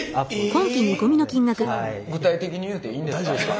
そんな具体的に言うていいんですか？